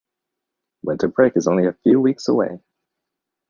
Winter break is only a few weeks away!